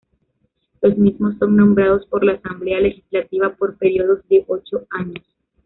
Los mismos son nombrados por la Asamblea Legislativa por períodos de ocho años.